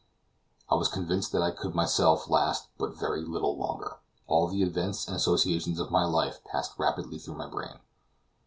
I was convinced that I could myself last but very little longer. All the events and associations of my life passed rapidly through my brain.